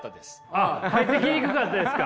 あっ入ってきにくかったですか？